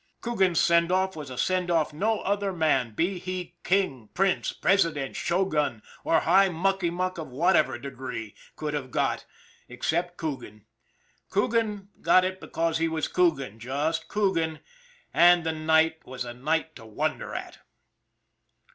Coogan's send off was a send off no other man, be he king, prince, president, sho gun, or high mucky muck of whatever degree, could have got except Coogan. Coogan got it because he was Coogan, just Coogan and the night was a night to wonder at.